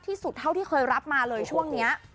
ที่สุดเท่าที่เคยรับมาเลยช่วงนี้